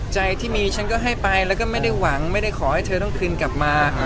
ใจที่มีฉันก็ให้ไปแล้วก็ไม่ได้หวังไม่ได้ขอให้เธอต้องคืนกลับมา